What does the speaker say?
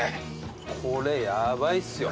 これヤバいっすよ。